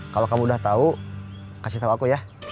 kalau kamu udah tahu kasih tahu aku ya